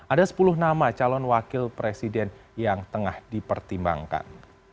ada sepuluh nama calon wakil presiden yang tengah dipertimbangkan